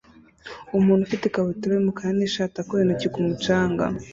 Umuntu ufite ikabutura yumukara nishati akora intoki ku mucanga